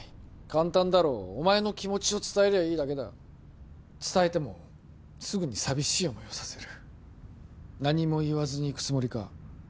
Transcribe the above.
簡単だろお前の気持ちを伝えりゃいいだけだ伝えてもすぐに寂しい思いをさせる何も言わずに行くつもりか？